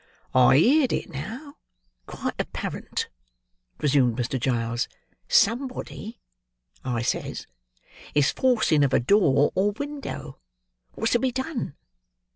"I heerd it now, quite apparent," resumed Mr. Giles. "'Somebody,' I says, 'is forcing of a door, or window; what's to be done?